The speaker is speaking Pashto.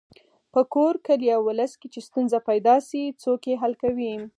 په کور، کلي او ولس کې چې ستونزه پیدا شي څوک یې حل کوي.